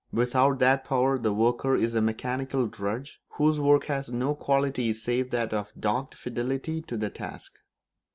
Without that power the worker is a mechanical drudge, whose work has no quality save that of dogged fidelity to the task.